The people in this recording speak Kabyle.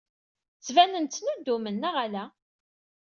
Ttbanen-d ttnudumen, neɣ ala?